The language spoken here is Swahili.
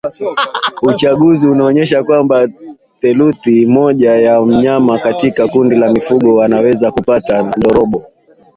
Uchunguzi unaonesha kwamba theluthi moja ya wanyama katika kundi la mifugo wanaweza kupata ndorobo